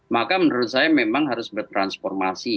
maka menurut saya memang harus bertransformasi